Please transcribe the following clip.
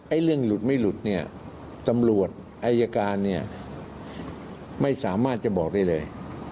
เรื่องหลุดไม่หลุดเนี่ยตำรวจอายการเนี่ยไม่สามารถจะบอกได้เลย